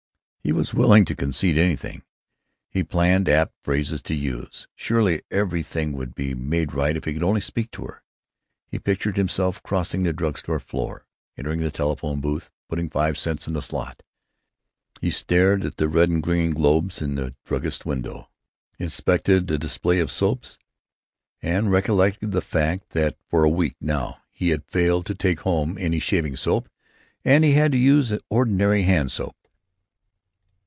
He was willing to concede anything. He planned apt phrases to use. Surely everything would be made right if he could only speak to her. He pictured himself crossing the drug store floor, entering the telephone booth, putting five cents in the slot. He stared at the red and green globes in the druggist's window; inspected a display of soaps, and recollected the fact that for a week now he had failed to take home any shaving soap and had had to use ordinary hand soap.